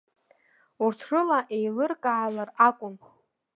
Урҭ рыла еилыркаалар акәын.